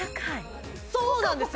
そうなんですよ